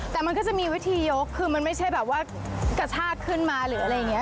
แต่มันก็จะมีวิธียกคือมันไม่ใช่แบบว่ากระชากขึ้นมาหรืออะไรอย่างนี้